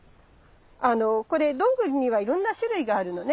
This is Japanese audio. これどんぐりにはいろんな種類があるのね。